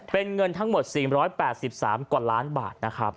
เป็นเงินทั้งหมด๔๘๓กว่าล้านบาท